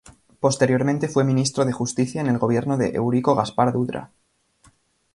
Posteriormente fue Ministro de Justicia en el gobierno de Eurico Gaspar Dutra.